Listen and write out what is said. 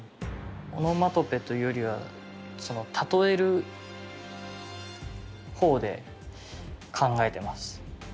オノマトペというよりは例える方で考えてます。